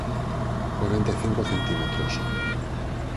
corenta e cinco centímetros.